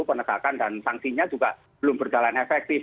penegakan dan sanksinya juga belum berjalan efektif